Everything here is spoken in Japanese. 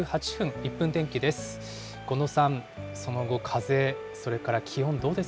１分天気です。